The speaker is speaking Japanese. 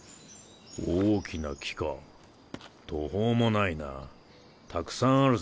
大きな木か途方もないなたくさんあるぞ。